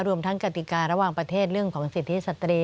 รวมทั้งกติการะหว่างประเทศเรื่องของสิทธิสตรี